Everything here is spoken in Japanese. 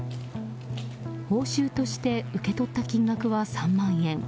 報酬として受け取った金額は３万円。